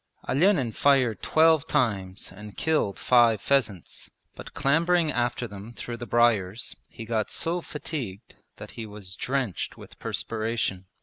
Olenin fired twelve times and killed five pheasants, but clambering after them through the briers he got so fatigued that he was drenched with perspiration.